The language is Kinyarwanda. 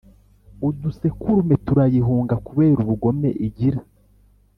Udusekurume turayihunga kubera ubugome igira